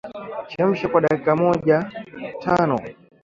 Chemsha kwa dakika mojatano